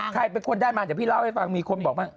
ใครเป็นคนได้มาเดี๋ยวพี่เล่าให้ฟังมีคนบอกบ้าง